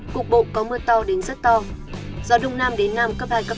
cục bộ có mưa to đến rất to gió đông nam đến nam cấp hai cấp năm